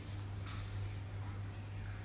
กลับมาร้อยเท้า